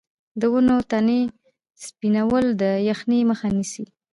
د ونو تنې سپینول د یخنۍ مخه نیسي؟